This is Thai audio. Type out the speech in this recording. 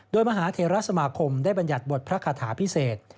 โดยมหาเทราสมาคมได้บรรยัติบทพระคาถาพิเศษ